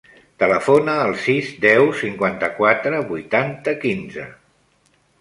Telefona al sis, deu, cinquanta-quatre, vuitanta, quinze.